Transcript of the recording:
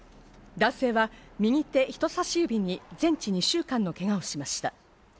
男性は右手人さし指に全治２週間のけがをしました。